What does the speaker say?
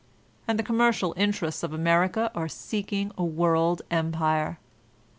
And the com mendal interests of America are seeking a world empire !